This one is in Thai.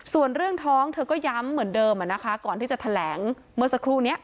ส่วนเรื่องท้องเธอก็ย้ำเหมือนเดิมก่อนที่จะแถลงเมื่อสักครู่นี้